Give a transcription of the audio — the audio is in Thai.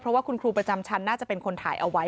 เพราะว่าคุณครูประจำชั้นน่าจะเป็นคนถ่ายเอาไว้